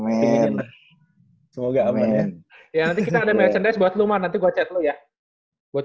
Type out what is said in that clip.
masuk di tempat kuliah